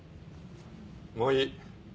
もういい。